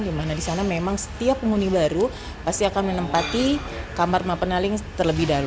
di mana di sana memang setiap penghuni baru pasti akan menempati kamar mapenaling terlebih dahulu